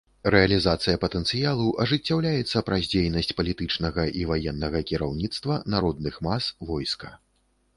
Рэалізацыя патэнцыялу ажыццяўляецца праз дзейнасць палітычнага і ваеннага кіраўніцтва, народных мас, войска.